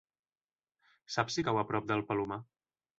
Saps si cau a prop del Palomar?